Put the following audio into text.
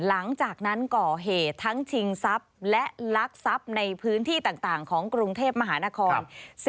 หลังจากนั้นก่อเหตุทั้งชิงทรัพย์และลักทรัพย์ในพื้นที่ต่างของกรุงเทพมหานคร